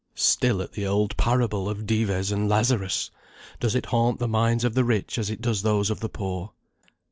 Still at the old parable of Dives and Lazarus! Does it haunt the minds of the rich as it does those of the poor?